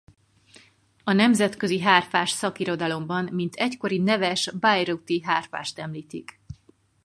A nemzetközi hárfás szakirodalomban mint egykori neves bayreuth-i hárfást említik.